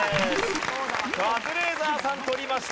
カズレーザーさん取りました。